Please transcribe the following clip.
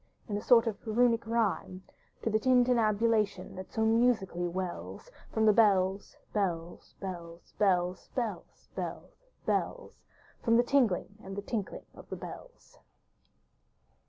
In a sort of Runic rhyme. To the tin tin nab u la tion that so musically wells From the bells, bells, bells, bells. Bells, bells, bells — From the jingling and the tinkling of the bells.